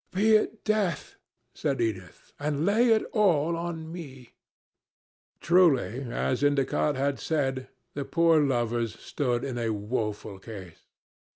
"Be it death," said Edith, "and lay it all on me." Truly, as Endicott had said, the poor lovers stood in a woeful case.